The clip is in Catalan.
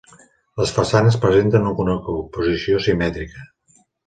Les façanes presenten una composició simètrica.